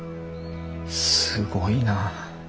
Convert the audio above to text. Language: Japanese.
すごいな。